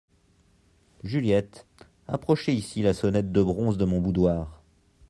Juliette, approchez ici la sonnette de bronze de mon boudoir.